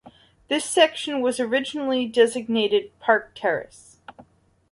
This section was originally designated "Park Terrace".